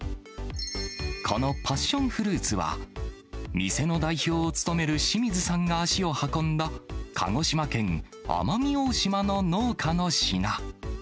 このパッションフルーツは、店の代表を務める清水さんが足を運んだ、鹿児島県奄美大島の農家の品。